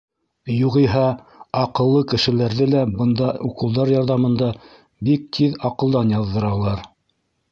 Юғиһә, аҡыллы кешеләрҙе лә бында уколдар ярҙамында бик тиҙ аҡылдан яҙҙыралар.